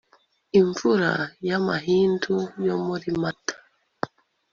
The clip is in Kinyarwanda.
Imvura y amahindu yo muri mata